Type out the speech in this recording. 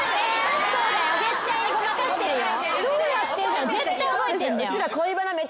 そうだよ絶対にごまかしてるよ。